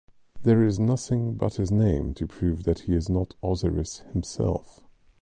There is nothing but his name to prove that he is not Osiris himself.